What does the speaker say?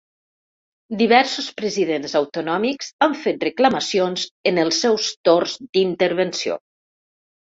Diversos presidents autonòmics han fet reclamacions en els seus torns d’intervenció.